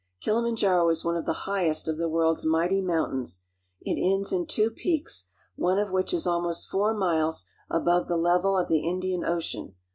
Kilimanjaro is one of the highest of the world's mighty mountains. It ends in two peaks, one of which is almost four miles above the level of the Indian Ocean.